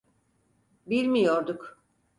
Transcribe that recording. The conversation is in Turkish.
Bilmiyorduk.